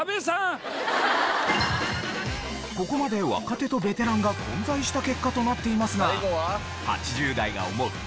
ここまで若手とベテランが混在した結果となっていますが８０代が思う